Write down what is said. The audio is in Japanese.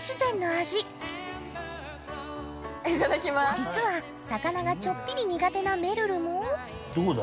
実は魚がちょっぴり苦手なめるるもどうだ？